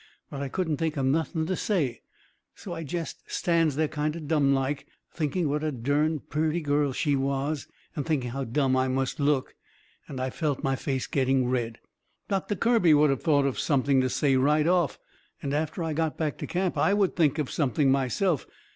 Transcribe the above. But I couldn't think of nothing to say, so I jest stands there kind o' dumb like, thinking what a dern purty girl she was, and thinking how dumb I must look, and I felt my face getting red. Doctor Kirby would of thought of something to say right off. And after I got back to camp I would think of something myself.